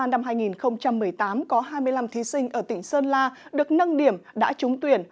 năm hai nghìn một mươi tám có hai mươi năm thí sinh ở tỉnh sơn la được nâng điểm đã trúng tuyển